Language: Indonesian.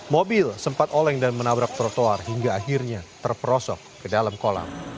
mobil sempat oleng dan menabrak trotoar hingga akhirnya terperosok ke dalam kolam